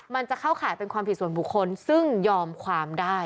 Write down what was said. มันจะเข้าข่ายเป็นความผิดส่วนบุคคลซึ่งยอมความได้